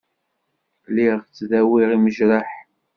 Lliɣ ttdawiɣ imejraḥ.